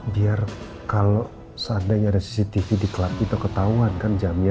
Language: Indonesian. biar kalo seandainya ada cctv di club itu ketauan kan jamnya